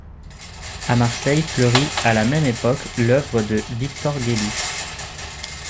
À Marseille fleurit à la même époque l’œuvre de Victor Gélu.